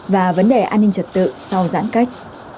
và vấn đề an ninh trật tự sau giãn cách